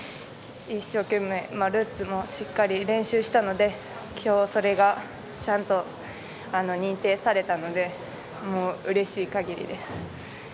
一生懸命、ルッツも練習したのできょう、それがちゃんと認定されたのでうれしい限りです。